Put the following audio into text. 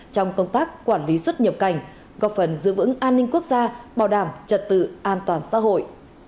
trong công tác quản lý xuất nhập cảnh góp phần giữ vững an ninh quốc gia bảo đảm trật tự an toàn xã hội